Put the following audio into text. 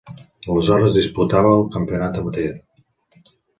Aleshores disputava el campionat amateur.